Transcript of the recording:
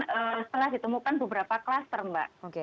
setelah ditemukan beberapa klaster mbak